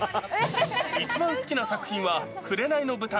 一番好きな作品は紅の豚。